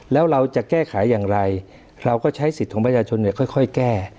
แล้วเราจะแก้ไขอย่างไรเราก็ใช้สิทธิ์ของประชาชนค่อยแก้